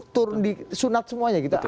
turun di sunat semuanya gitu